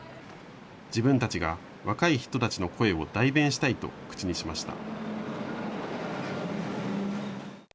自分たちが若い人たちの声を代弁したいと口にしました。